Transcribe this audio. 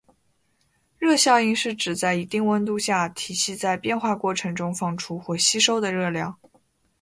热效应是指在一定温度下，体系在变化过程中放出或吸收的热量。